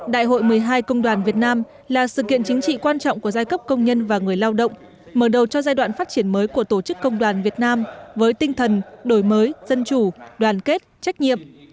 đại hội một mươi hai công đoàn việt nam là sự kiện chính trị quan trọng của giai cấp công nhân và người lao động mở đầu cho giai đoạn phát triển mới của tổ chức công đoàn việt nam với tinh thần đổi mới dân chủ đoàn kết trách nhiệm